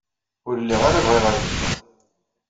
Ur lliɣ ara bɣiɣ ad mmteɣ.